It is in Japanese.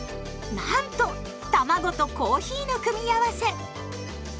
なんとたまごとコーヒーの組み合わせ！